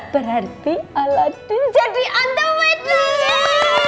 berarti aladin jadi andowet nih